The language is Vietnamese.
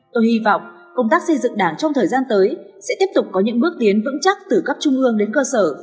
tôi hy vọng công tác xây dựng đảng trong thời gian tới sẽ tiếp tục có những bước tiến vững chắc từ cấp trung ương đến cơ sở